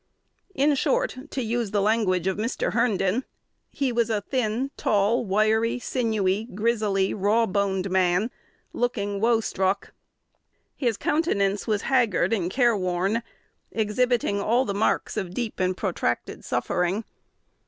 In short, to use the language of Mr. Herndon, "he was a thin, tall, wiry, sinewy, grizzly, raw boned man," "looking woe struck." His countenance was haggard and careworn, exhibiting all the marks of deep and protracted suffering.